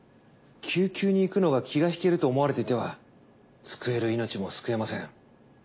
救急に行くのが気が引けると思われていては救える命も救えません。